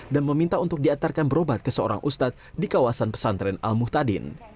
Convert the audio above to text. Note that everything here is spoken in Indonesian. dan meminta untuk diantarkan berobat ke seorang ustad di kawasan pesantren al muhtadin